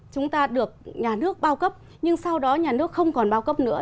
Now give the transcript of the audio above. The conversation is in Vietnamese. chúng ta được nhà nước bao cấp nhưng sau đó nhà nước không còn bao cấp nữa